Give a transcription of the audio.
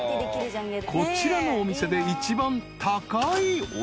［こちらのお店で一番高いお肉は］